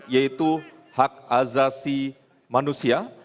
yaitu hak azasi manusia